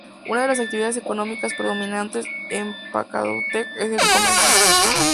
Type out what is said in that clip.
Una de las actividades económicas predominantes en Pachacútec es el comercio.